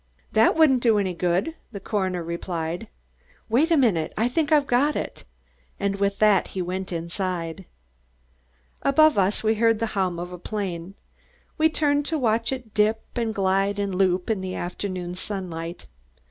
"That wouldn't do any good," the coroner replied. "Wait a minute! I think I've got it." And with that he went inside. Above us we heard the hum of a plane. We turned to watch it dip and glide and loop, in the afternoon sunlight.